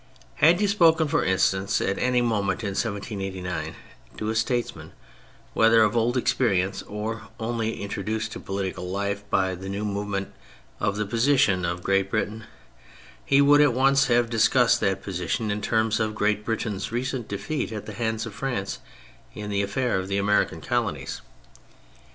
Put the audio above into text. Had you spoken, for instance, at any moment in 1789, to a statesman, whether of old experience or only introduced to political life by the new movement, of the position of Great Britain, he would at once have dis cussed that position in the terms of Great Britain's recent defeat at the hands of France in the affair of the American colonies.